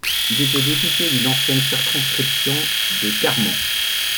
Il était député d'une ancienne circonscription de Carman.